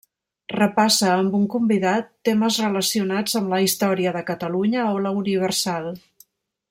Repassa, amb un convidat, temes relacionats amb la història de Catalunya o la Universal.